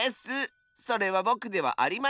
それはぼくではありません！